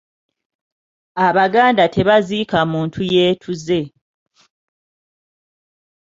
Abaganda tebaziika muntu yeetuze.